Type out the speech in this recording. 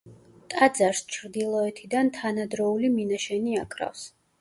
ტაძარს ჩრდილოეთიდან თანადროული მინაშენი აკრავს.